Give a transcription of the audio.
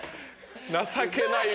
情けない。